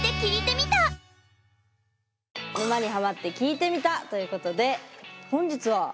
「沼にハマってきいてみた」ということで本日は。